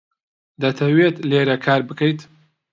دەتەوێت لێرە کار بکەیت؟